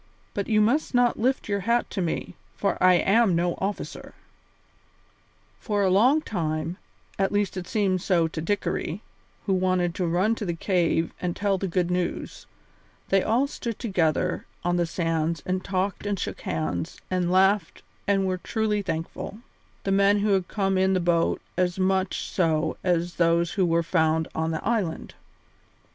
But you must not lift your hat to me, for I am no officer." For a long time, at least it seemed so to Dickory, who wanted to run to the cave and tell the good news, they all stood together on the sands and talked and shook hands and laughed and were truly thankful, the men who had come in the boat as much so as those who were found on the island.